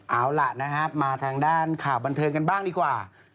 เอาล่ะนะครับมาทางด้านข่าวบันเทิงกันบ้างดีกว่า